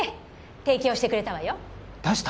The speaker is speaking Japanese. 提供してくれたわよ。出した？